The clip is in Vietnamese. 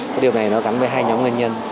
cái điều này nó gắn với hai nhóm nguyên nhân